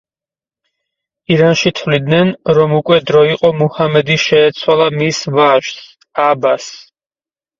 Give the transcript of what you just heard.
ირანში თვლიდნენ, რომ უკვე დრო იყო მუჰამადი შეეცვალა მის ვაჟს, აბასს.